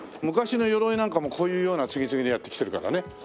昔の鎧なんかもこういうような継ぎ継ぎでやってきてるからね。